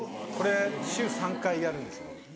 これ週３回やるんですよ。